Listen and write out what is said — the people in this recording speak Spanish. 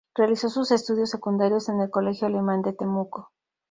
Realizó sus estudios secundarios en el Colegio Alemán de Temuco.